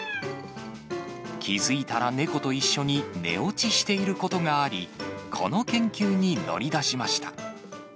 気付いたら猫と一緒に寝落ちしていることがあり、この研究に乗り出しました。